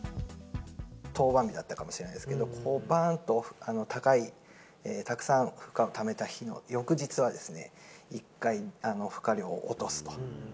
登板日だったかもしれないですけど、こう、ばーんと高い、たくさん負荷をためた日の翌日はですね、一回、負荷量を落とすと。